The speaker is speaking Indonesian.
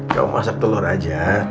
kamu masak telur aja